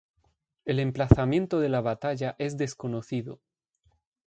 El emplazamiento de la batalla es desconocido.